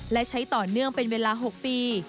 และใช้ต่อเนื่องเป็นเวลา๖ปี